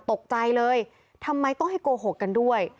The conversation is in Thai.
ตกใจเลยทำไมต้องให้โกหกกันด้วย